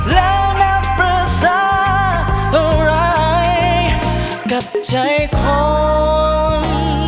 และนับประสาทรายกับใจคน